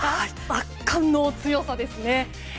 圧巻の強さですね！